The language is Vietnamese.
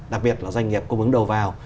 đặc biệt là doanh nghiệp cung ứng đầu vào